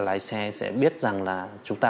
lái xe sẽ biết rằng là chúng ta